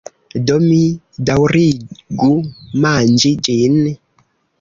Do, mi daŭrigu manĝi ĝin.